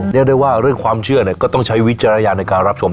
เรียกได้ว่าเรื่องความเชื่อก็ต้องใช้วิจารณญาณในการรับชม